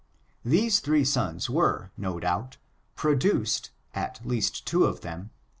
These three sons were, no doubt, produced, at least two of them.